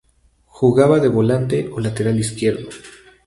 Jugaba de volante o lateral izquierdo.